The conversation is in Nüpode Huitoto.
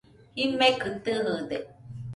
Jimekɨ tɨjɨde